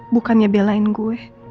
bukannya belain gue